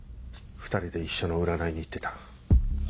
２人で一緒の占いに行ってた。